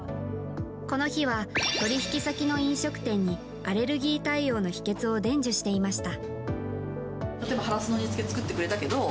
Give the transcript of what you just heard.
この日は、取引先の飲食店にアレルギー対応の秘訣を伝授していました。